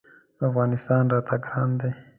افغانستان راته ګران دی.